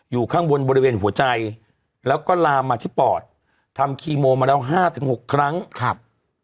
อยู่ข้างบนบริเวณหัวใจแล้วก็ลามมาที่ปอดทำคีโมมาแล้วห้าถึงหกครั้งครับ